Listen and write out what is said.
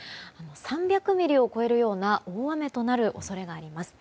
３００ミリを超えるような大雨となる恐れがあります。